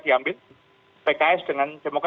diambil pks dengan demokrat